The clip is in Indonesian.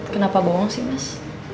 kenapa bohong sih mas